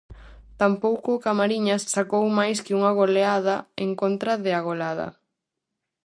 Tampouco o Camariñas sacou máis que unha goleada en contra de Agolada.